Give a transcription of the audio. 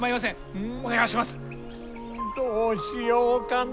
うんどうしようかな。